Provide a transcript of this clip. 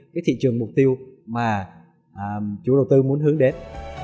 cái thị trường mục tiêu mà chủ đầu tư muốn hướng đến